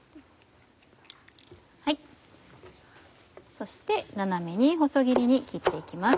そして斜めに細切りに切って行きます。